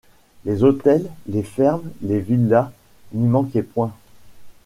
Les hôtels, les fermes, les villas, n’y manquaient point.